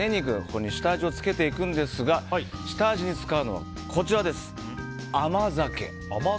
ここに下味をつけていくんですが下味に使うのは甘酒。